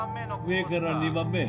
上から２番目？